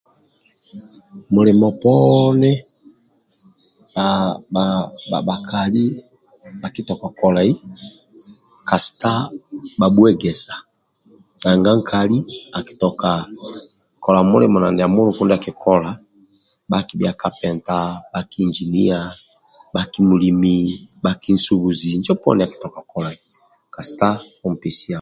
Mulimo poni haa nabhakali bhakitoka kolai kasita bhamuehesa nanga nkali akitoka kola mulimo na ndia muluku akikola bhaki kapenta injinia bhaki nsubuzi mulimi kasita ompesia